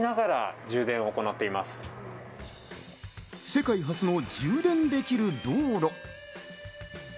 世界初の充電できる道路。